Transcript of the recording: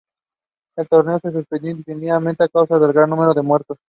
El Torneo se suspendió indefinidamente a causa del gran número de muertos.